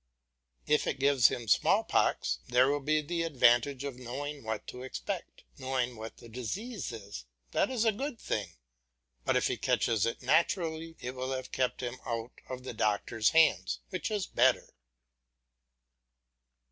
If it gives him smallpox, there will be the advantage of knowing what to expect, knowing what the disease is; that is a good thing, but if he catches it naturally it will have kept him out of the doctor's hands, which is better.